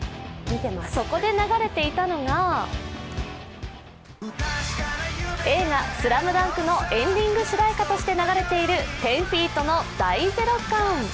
そこで流れていたのが映画「ＳＬＡＭＤＵＮＫ」のエンディング主題歌として流れている１０−ＦＥＥＴの「第ゼロ感」。